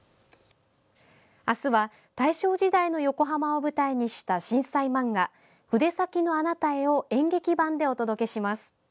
明日は大正時代の横浜を舞台にした震災漫画「筆先のあなたへ」を演劇版でお届けします。